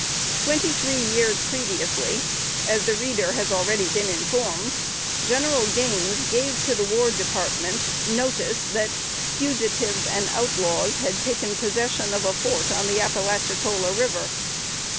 Twenty three years previously, as the reader has already been informed, General Gaines gave to the War Department notice that "fugitives and outlaws had taken possession of a fort on the Appalachicola River."